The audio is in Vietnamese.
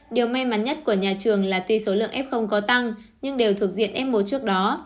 điều may mắn nhất của nhà trường là tuy số lượng f có tăng nhưng đều thuộc diện f một trước đó